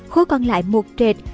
khối còn lại một trệt